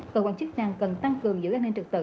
cơ quan chức năng cần tăng cường giữ an ninh trực tự